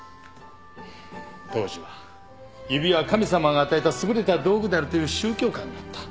当時は指は神様が与えた優れた道具であるという宗教観があった。